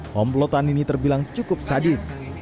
komplotan ini terbilang cukup sadis